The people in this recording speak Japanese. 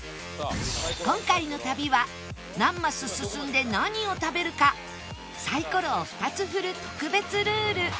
今回の旅は何マス進んで何を食べるかサイコロを２つ振る特別ルール